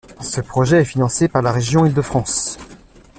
Ce projet est financé par la Région Île-de-France.